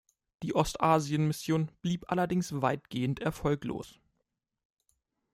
Die Ostasien-Mission blieb allerdings weitgehend erfolglos.